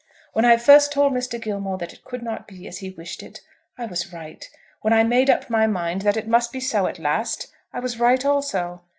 When I first told Mr. Gilmore that it could not be as he wished it, I was right. When I made up my mind that it must be so at last, I was right also.